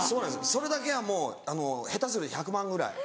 それだけはもう下手すると１００万ぐらい。